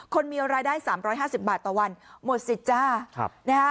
คนมีรายได้๓๕๐บาทต่อวันหมดสิทธิ์จ้า